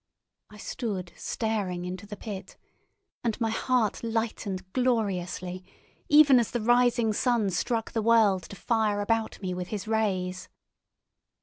I stood staring into the pit, and my heart lightened gloriously, even as the rising sun struck the world to fire about me with his rays.